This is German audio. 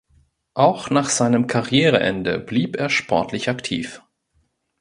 Auch nach seinem Karriereende blieb er sportlich aktiv.